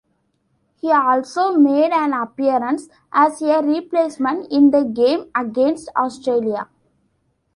He also made an appearance as a replacement in the game against Australia.